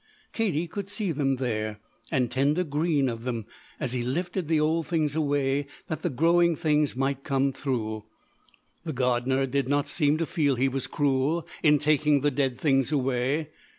Katie could see them there and tender green of them, as he lifted the old things away that the growing things might come through. The gardener did not seem to feel he was cruel in taking the dead things away.